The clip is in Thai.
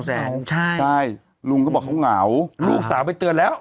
แสนใช่ใช่ลุงก็บอกเขาเหงาลูกสาวไปเตือนแล้ว